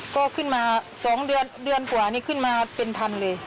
ก็ขึ้นมา๒เดือนกว่านี้ขึ้นมาเป็น๑๐๐๐บาทเลย